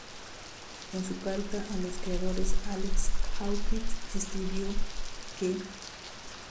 En su carta a los creadores Alex Hawkins escribió que.